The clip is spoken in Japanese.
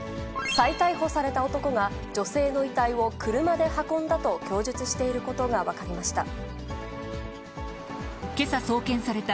再逮捕された男が、女性の遺体を車で運んだと供述していることが分かりました。